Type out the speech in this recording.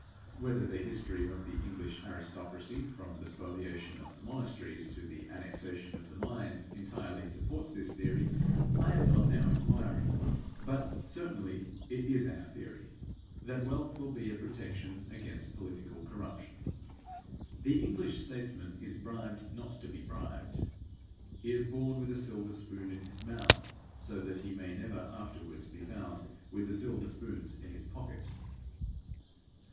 Whether the history of the English aristocracy, from the spoliation of the monasteries to the annexation of the mines, entirely supports this theory I am not now inquiring; but certainly it is our theory, that wealth will be a protection against political corruption. The English statesman is bribed not to be bribed. He is born with a silver spoon in his mouth, so that he may never afterwards be found with the silver spoons in his pocket.